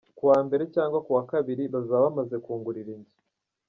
Ku wa mbere cyangwa ku wa kabiri bazaba bamaze kungurira inzu.